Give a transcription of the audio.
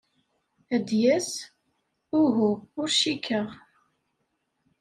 Ad d-yas? Uhu, ur cikkeɣ.